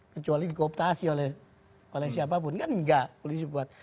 kecuali dikooptasi oleh siapapun kan enggak polisi buat